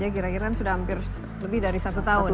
kira kira sudah hampir lebih dari satu tahun